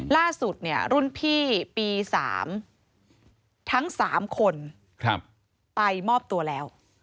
ล่าสุดเนี่ยรุ่นพี่ปี๓ทั้ง๓คนไปมอบตัวแล้ว